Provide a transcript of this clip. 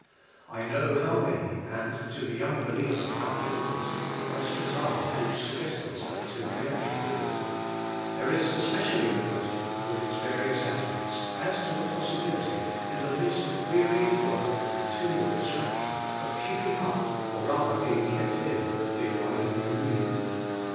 I know how many, and, to the young believer, how difficult, the questions are which suggest themselves in connec tion with it. There is especially the question, with its various aspects, as to the possibility, in the midst of wearying work and continual distraction, of keep ing up, or rather being kept in, the abiding com munion.